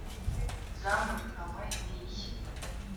zamurikanywe n’ ishya